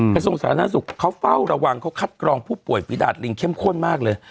กระทรวงสาธารณสุขเขาเฝ้าระวังเขาคัดกรองผู้ป่วยฝีดาดลิงเข้มข้นมากเลย